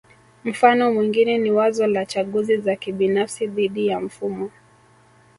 Mfano mwingine ni wazo la chaguzi za kibinafsi dhidi ya mfumo